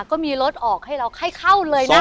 ก็มีรถออกให้เราให้เข้าเลยนะ